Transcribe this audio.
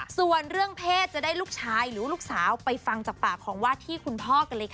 ส่วนเรื่องเพศจะได้ลูกชายหรือลูกสาวไปฟังจากปากของวาดที่คุณพ่อกันเลยค่ะ